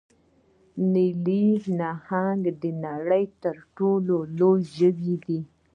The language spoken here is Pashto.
نیلي نهنګ د نړۍ تر ټولو لوی ژوی دی